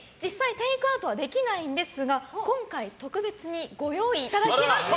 テイクアウトはできないんですが今回、特別にご用意していただきました。